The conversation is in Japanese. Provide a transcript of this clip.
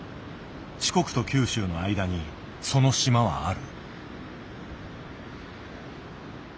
四国と九州の間にその島はある。